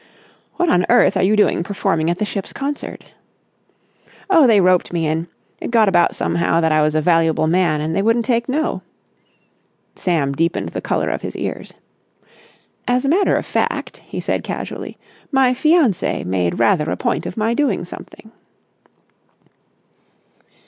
"What on earth are you doing performing at the ship's concert?" "Oh, they roped me in. It got about somehow that I was a valuable man, and they wouldn't take no." Sam deepened the colour of his ears. "As a matter of fact," he said casually, "my fiancée made rather a point of my doing something."